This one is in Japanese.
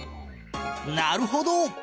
なるほど！